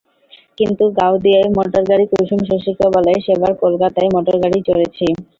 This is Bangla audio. কিন্তু গাওদিয়ায় মোটরগাড়ি কুসুম শশীকে বলে, সেবার কলকাতায় মোটরগাড়ি চড়েছি।